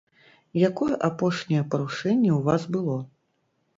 Якое апошняе парушэнне ў вас было?